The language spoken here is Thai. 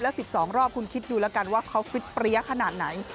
แล้ว๑๒รอบคุณคิดดูแล้วกันว่าเขาฟิตเปรี้ยขนาดไหน